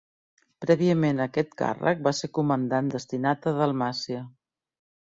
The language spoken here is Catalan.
Prèviament a aquest càrrec va ser comandant destinat a Dalmàcia.